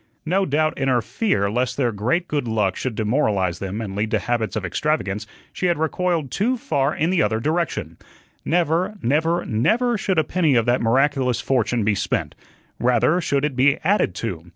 No doubt, in her fear lest their great good luck should demoralize them and lead to habits of extravagance, she had recoiled too far in the other direction. Never, never, never should a penny of that miraculous fortune be spent; rather should it be added to.